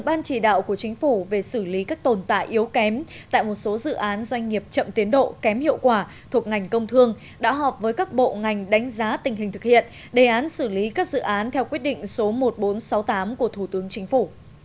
ban chỉ đạo của chính phủ về xử lý các tồn tại yếu kém tại một số dự án doanh nghiệp chậm tiến độ kém hiệu quả thuộc ngành công thương đã họp với các bộ ngành đánh giá tình hình thực hiện đề án xử lý các dự án theo quyết định số một nghìn bốn trăm sáu mươi tám của thủ tướng chính phủ